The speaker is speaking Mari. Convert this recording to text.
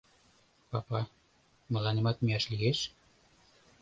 — Папа, мыланемат мияш лиеш?